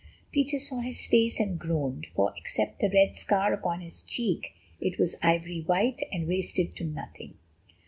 Peter saw his face, and groaned, for, except the red scar upon his cheek, it was ivory white and wasted to nothing.